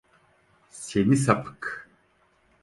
Seni sapık!